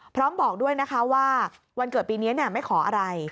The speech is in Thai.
บอกด้วยนะคะว่าวันเกิดปีนี้ไม่ขออะไร